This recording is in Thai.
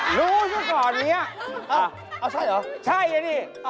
รู้นะหนอป่านอีก